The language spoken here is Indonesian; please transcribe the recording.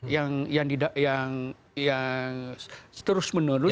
yang yang yang yang yang terus menerus